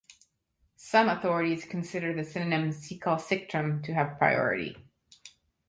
Some authorities consider the synonym Secale strictum to have priority.